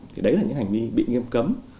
thì đấy là những hành vi bị nghiêm cấm